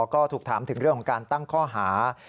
ก็ถูกถามถึงเรื่องของการตั้งข้อหา